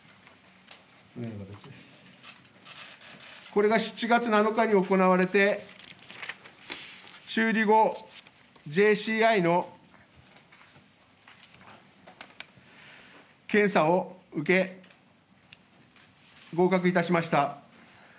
これが７月７日に行われて、修理後、ジェーシーアイの検査を受け、合格いたしました。